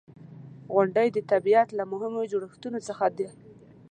• غونډۍ د طبیعت له مهمو جوړښتونو څخه دي.